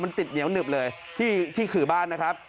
มันติดเหนียวหนึบเลยที่ขื่อบ้านนะครับ